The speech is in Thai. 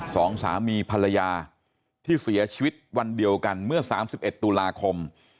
สองสามีภรรยาที่เสียชีวิตวันเดียวกันเมื่อ๓๑ตุลาคม